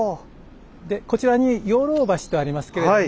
でこちらに養老橋とありますけれども。